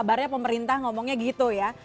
kabarnya pemerintah ngomongnya gitu ya